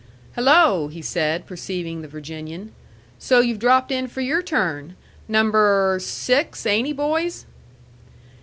"Hello!" he said, perceiving the Virginian. "So you've dropped in for your turn! Number six, ain't he, boys?"